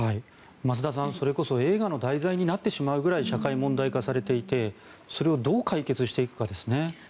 増田さん、それこそ映画の題材になってしまうぐらい社会問題化されていてそれをどう解決していくかですね。